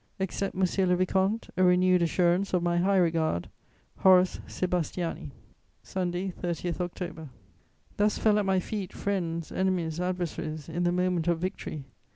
"Accept, monsieur le vicomte, a renewed assurance of my high regard. "HORACE SÉBASTIANI. "SUNDAY, 30 October." Thus fell at my feet friends, enemies, adversaries, in the moment of victory.